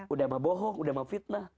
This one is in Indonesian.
udah sama bohong udah mau fitnah